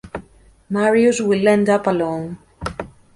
Marius will end up alone.